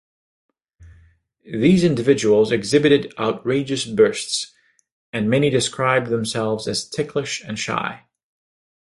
These individuals exhibited outrageous bursts, and many described themselves as ticklish and shy.